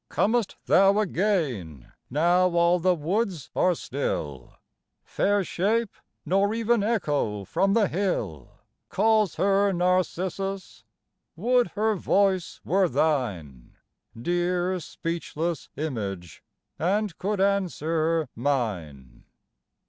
"Comest thou again, now all the woods are still, Fair shape, nor even Echo from the hill Calls her Narcissus? Would her voice were thine, Dear speechless image, and could answer mine!